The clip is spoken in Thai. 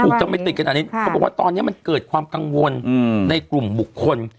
จะไม่ติดกันอันนี้เขาบอกว่าตอนนี้มันเกิดความกังวลในกลุ่มบุคคล